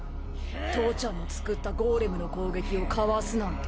父ちゃんの作ったゴーレムの攻撃をかわすなんて。